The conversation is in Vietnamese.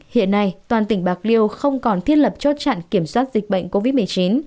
hiện nay toàn tỉnh bạc liêu không còn thiết lập chốt chặn kiểm soát dịch bệnh covid một mươi chín